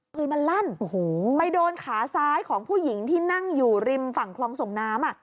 ปืนมันลั่นไปโดนขาซ้ายของผู้หญิงที่นั่งอยู่ริมฝั่งคลองส่งน้ำ